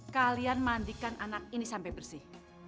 kalian mandikan anak ini sampai bersih